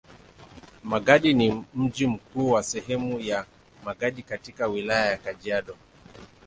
Magadi ni mji mkuu wa sehemu ya Magadi katika Wilaya ya Kajiado.